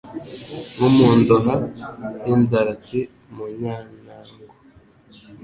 Nko mu Ndoha h'i Nzaratsi mu Nyantango,